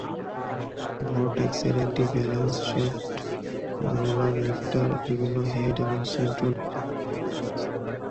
ভরটেক্সের একটি balance shaft, roller lifter, বিভিন্ন head, এবং সেন্ট্রাল পোর্ট ইনজেকশন আছে।